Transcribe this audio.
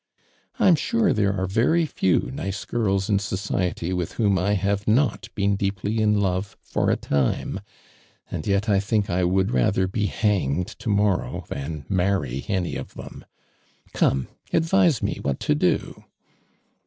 I'm sure there are very few nice girls in society with whom I have not been deeply in love for a time, and yet I think I would rather be hanged to morrow, than marry any of them. Come — advise me what to do